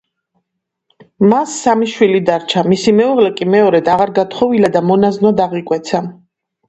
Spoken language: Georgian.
მას სამი შვილი დარჩა, მისი მეუღლე კი მეორედ აღარ გათხოვილა და მონაზვნად აღიკვეცა.